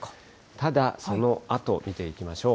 ただ、そのあと見ていきましょう。